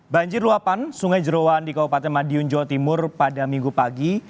banjir luapan sungai jerawan di kabupaten madiun jawa timur pada minggu pagi